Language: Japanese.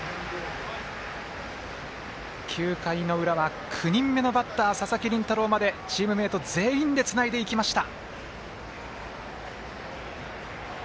９回の裏は、９人目のバッター佐々木麟太郎までチームメート全員でつないでいきました。